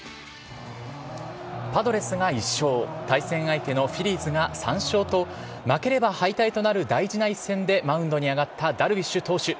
パドレスが１勝、対戦相手のフィリーズが３勝と、負ければ敗退となる大事な一戦でマウンドに上がったダルビッシュ投手。